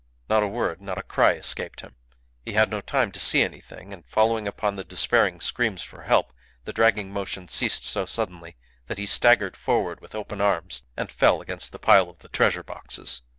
Not a word, not a cry escaped him; he had no time to see anything; and following upon the despairing screams for help, the dragging motion ceased so suddenly that he staggered forward with open arms and fell against the pile of the treasure boxes.